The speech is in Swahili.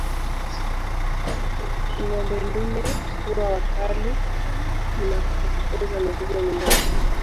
Ngombe dume huwa wakali na kufukuza mifugo nyumbani